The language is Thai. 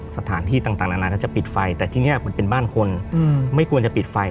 สถานที่ต่างนานาถ้าจะปิดไฟแต่ที่นี่มันเป็นบ้านคนไม่ควรจะปิดไฟ